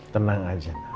tenang aja nak